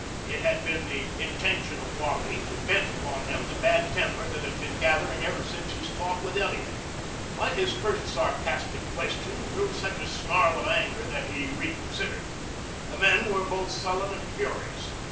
It had been the intention of Wally to vent upon them the bad temper that had been gathering ever since his talk with Elliot. But his first sarcastic question drew such a snarl of anger that he reconsidered. The men were both sullen and furious.